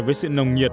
với sự nồng nhiệt